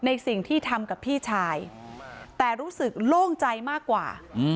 สิ่งที่ทำกับพี่ชายแต่รู้สึกโล่งใจมากกว่า